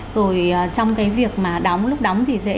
rồi trong cái việc mà đóng lúc đóng thì dễ